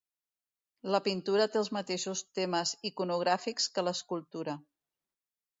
La pintura té els mateixos temes iconogràfics que l'escultura.